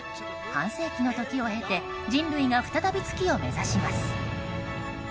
半世紀の時を経て人類が再び月を目指します。